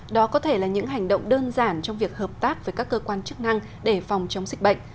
đó có thể là những hành động đơn giản trong việc hợp tác với các cơ quan chức năng để phòng chống dịch bệnh